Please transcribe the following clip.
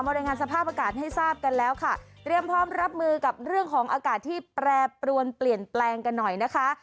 รายงานสภาพอากาศให้ทราบกันแล้วค่ะเตรียมพร้อมรับมือกับเรื่องของอากาศที่แปรปรวนเปลี่ยนแปลงกันหน่อยนะคะ